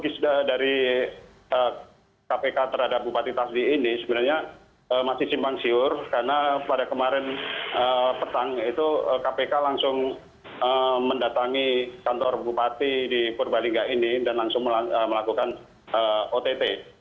kisda dari kpk terhadap bupati tasli ini sebenarnya masih simpang siur karena pada kemarin petang itu kpk langsung mendatangi kantor bupati di purbalingga ini dan langsung melakukan ott